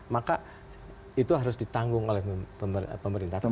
maka itu harus ditanggung oleh pemerintah pusat